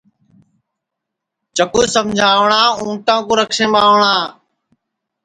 چکُو سمجاوٹؔا اُنٚٹا کُو رکسیم ٻاوٹؔا